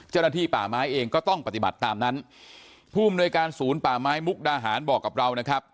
เจ้าหน้าที่ป่าไม้เองก็ต้องปฏิบัติตามนั้นผู้อำนวยการศูนย์ป่าไม้มุกดาหารบอกกับเรานะครับ